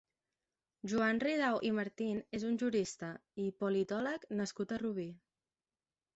Joan Ridao i Martín és un jurista i politòleg nascut a Rubí.